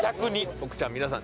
徳ちゃん皆さん